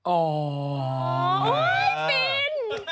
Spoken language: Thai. อ๋ออออุ้ยสติ้น